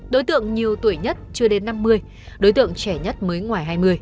đối tượng nhiều tuổi nhất chưa đến năm mươi đối tượng trẻ nhất mới ngoài hai mươi